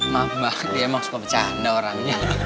maaf mbak dia emang suka bercanda orangnya